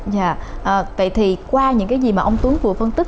dạ vậy thì qua những cái gì mà ông tuấn vừa phân tích